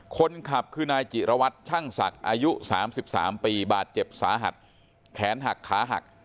คนขับคือนายจิรวัตรช่างศักดิ์อายุ๓๓ปีบาดเจ็บสาหัสแขนหักขาหัก